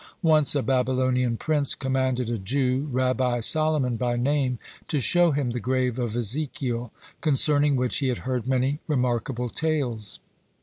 Once a Babylonian prince commanded a Jew, Rabbi Solomon by name, to show him the grave of Ezekiel, concerning which he had heard many remarkable tales.